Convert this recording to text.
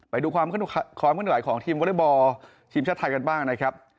ไปดูความขึ้นไหวของทีมวอเล็กบอลทีมชาติไทยกันบ้างนะครับ